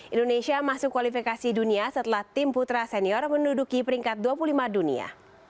indonesia masuk kualifikasi dunia setelah tim putra senior menduduki peringkat dua puluh lima dunia